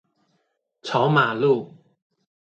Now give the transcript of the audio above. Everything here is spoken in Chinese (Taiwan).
朝馬路